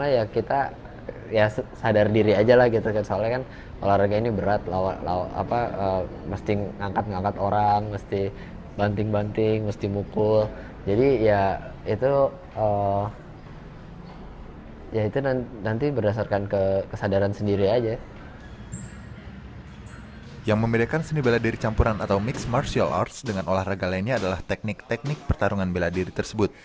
yang membedakan seni bela diri campuran atau mixed martial arts dengan olahraga lainnya adalah teknik teknik pertarungan bela diri tersebut